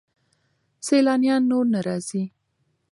سیلانیان نور نه راځي.